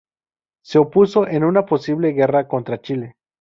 Se opuso a una posible guerra contra Chile.